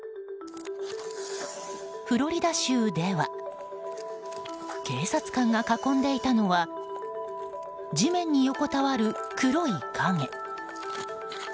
フロリダ州では警察官が囲んでいたのは地面に横たわる、黒い影。